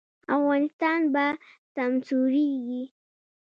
افغانستان به سمسوریږي